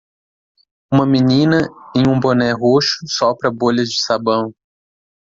Uma menina em um boné roxo sopra bolhas de sabão.